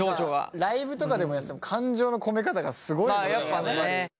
ライブとかでもやってても感情の込め方がすごいやっぱり。